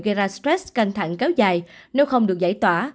gây ra stress căng thẳng kéo dài nếu không được giải tỏa